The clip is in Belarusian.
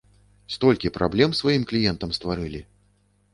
Столькі праблем сваім кліентам стварылі!